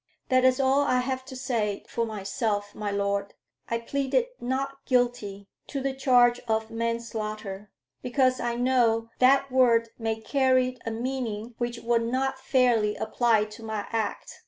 "That is all I have to say for myself, my Lord. I pleaded 'Not guilty' to the charge of manslaughter, because I know that word may carry a meaning which would not fairly apply to my act.